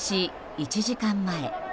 １時間前。